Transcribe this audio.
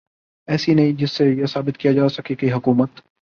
ایسی نہیں جس سے یہ ثابت کیا جا سکے کہ حکومت